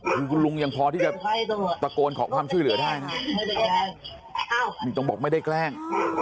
คือคุณลุงยังพอที่จะตะโกนขอความช่วยเหลือได้นะนี่ต้องบอกไม่ได้แกล้ง